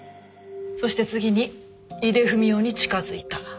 そして次に井出文雄に近づいた。